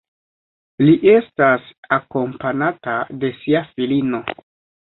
Li estas akompanata de sia filino.